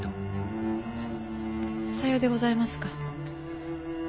さようでございますか。